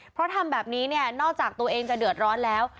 เพราะทำแบบนี้เนี่ยนอกจากตัวเองจะเดือดร้อนแล้ว